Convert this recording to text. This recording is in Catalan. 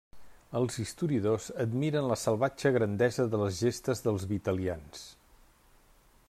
Els historiadors admiren la salvatge grandesa de les gestes dels vitalians.